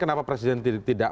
kenapa presiden tidak